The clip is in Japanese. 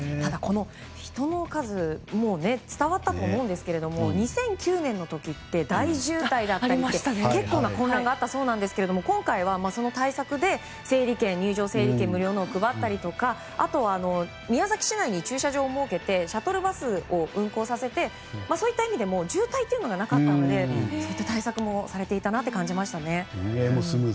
人の数伝わったと思うんですけれども２００９年の時って大渋滞で結構な混乱があったそうなんですが今回はその対策で入場整理券を配ったりとかあとは宮崎市内に駐車場を設けてシャトルバスを運行させてそういった意味でも渋滞というのがなかったのでそういった対策もされていたなと感じました。